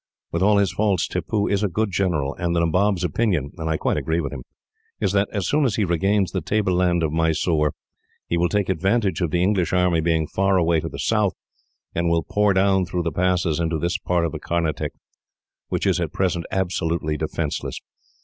With all his faults, Tippoo is a good general, and the Nabob's opinion and I quite agree with him is that, as soon as he regains the table land of Mysore, he will take advantage of the English army being far away to the south, and will pour down through the passes into this part of the Carnatic, which is at present absolutely defenceless.